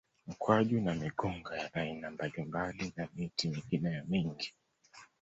Mkwaju na migunga ya aina mbalimbali na miti mingineyo mingi